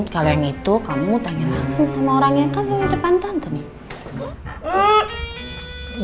kalau yang itu kamu tanya langsung sama orang yang kan di depan tante nih